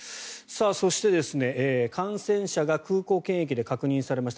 そして、感染者が空港検疫で確認されました。